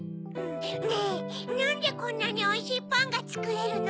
ねぇなんでこんなにおいしいパンがつくれるの？